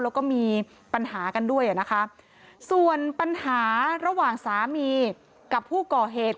แล้วก็มีปัญหากันด้วยอ่ะนะคะส่วนปัญหาระหว่างสามีกับผู้ก่อเหตุ